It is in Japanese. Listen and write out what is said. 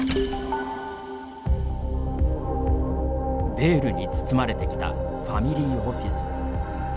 ベールに包まれてきたファミリーオフィス。